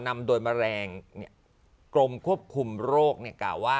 ไม่ได้